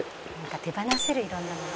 「手放せるいろんなもの」